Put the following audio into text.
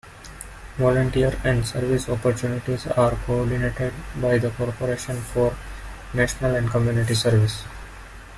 Volunteer and service opportunities are coordinated by the Corporation for National and Community Service.